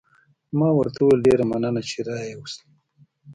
ما ورته وویل: ډېره مننه، چې را يې وست.